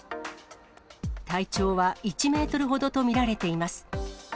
体長は１メートルほどと見られています。